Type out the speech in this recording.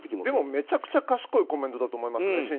でも、めちゃくちゃ賢いコメントだと思いますけどね。